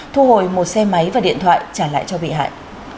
thu hồi một xe máy và điện thoại trả lại cho bị hại